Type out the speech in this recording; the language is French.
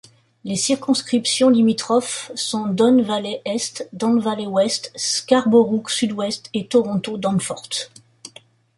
Les circonscriptions limitrophes sont Don Valley-Est, Don Valley-Ouest, Scarborough-Sud-Ouest et Toronto—Danforth.